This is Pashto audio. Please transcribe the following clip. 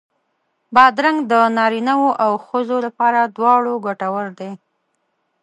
بادرنګ د نارینو او ښځو لپاره دواړو ګټور دی.